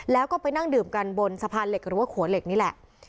แล้วก็ไปนั่งดื่มกันบนสะพานเหล็กหรือว่าขัวเหล็กนี่แหละ